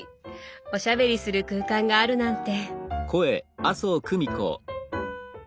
おしゃべりする空間があるなんて。